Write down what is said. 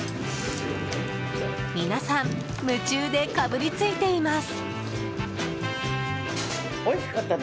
皆さん、夢中でかぶりついています。